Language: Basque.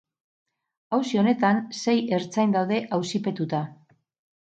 Auzi honetan sei ertzain daude auzipetuta.